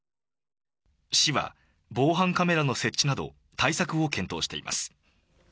市は防犯カメラの設置など対策を検討しています。